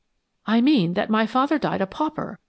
"I mean that my father died a pauper!